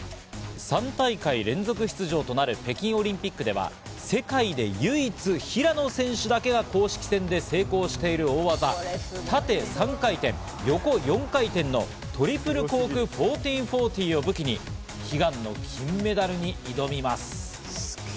３大会連続出場となる北京オリンピックでは、世界で唯一、平野選手だけが公式戦で成功している大技、縦３回転、横４回転のトリプルコーク１４４０を武器に悲願の金メダルに挑みます。